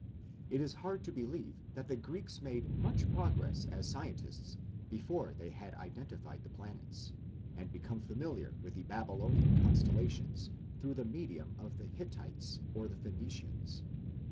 It is hard to believe that the Greeks made much progress as scientists before they had identified the planets, and become familiar with the Babylonian constellations through the medium of the Hittites or the Phoenicians.